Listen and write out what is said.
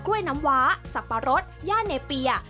น้ำว้าสับปะรดย่าเนเปีย